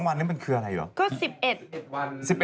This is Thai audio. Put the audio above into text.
๑๑๒วันนึงมันคืออะไรหรือ